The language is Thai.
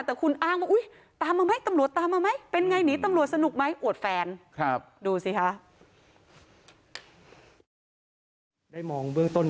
แต่คุณอ้างว่าอุ๊ยตามมาไหมตำรวจตามมาไหมเป็นไงหนีตำรวจสนุกไหมอวดแฟนดูสิคะ